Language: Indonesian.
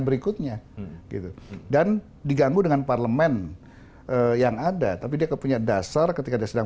berikutnya gitu dan diganggu dengan parlemen yang ada tapi dia kepunya dasar ketika dia sedang